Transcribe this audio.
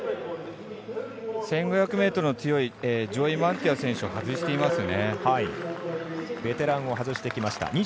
１５００ｍの強いジョーイ・マンティア選手をベテランを外してきました。